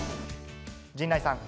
陣内さん。